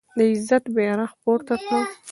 د عزت بیرغ پورته کړ